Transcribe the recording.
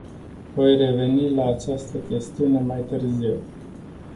Voi reveni la această chestiune mai târziu.